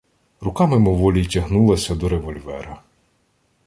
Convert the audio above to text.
Рука мимоволі тягнулася до револьвера.